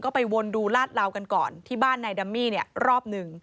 ก็ไปวนดูลาดเหลากันก่อนที่บ้านนายดัมมี่เนี่ยรอบหนึ่ง